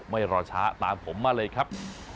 ไม่รอช้าตามผมมาเลยครับ